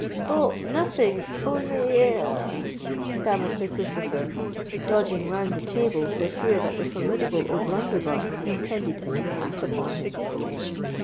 "Oh! nothing—only——" stammered Sir Christopher, dodging round the table, for fear that the formidable O'Blunderbuss intended an attack upon him.